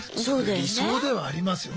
理想ではありますよね。